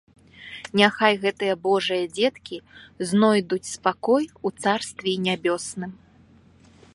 Няхай гэтыя Божыя дзеткі здойдуць спакой у Царствіі Нябёсным.